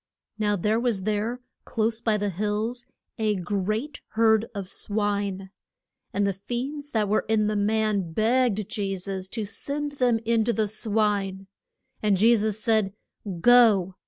Now there was there, close by the hills, a great herd of swine. And the fiends that were in the man begged Je sus to send them in to the swine. And Je sus said, Go.